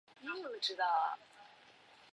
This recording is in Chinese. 因此赫拉对宙斯的出轨行为非常不满。